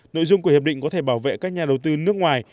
nội dung của hiệp định có thể bảo vệ các nhà đầu tư nước ngoài